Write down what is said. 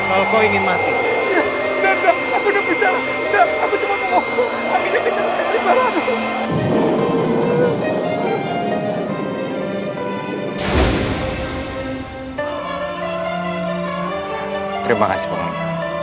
anginnya kencang sekali